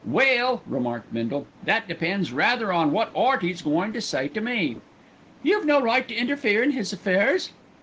"Well," remarked Bindle, "that depends rather on wot 'Earty's goin' to say to me." "You've no right to interfere in his affairs."